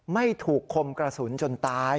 ไม่ถูกคมกระสุนจนตาย